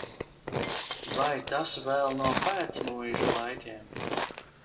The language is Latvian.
Vai tas vēl no pēcmuižu laikiem.